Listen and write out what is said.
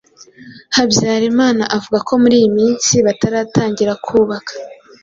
Habyarimana avuga ko muri iyi minsi bataratangira kubaka